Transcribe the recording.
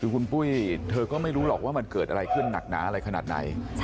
คุณปุ้ยเธอก็ไม่รู้หรอกว่ามันเกิดอะไรขึ้นนักนะ